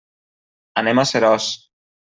Anem a Seròs.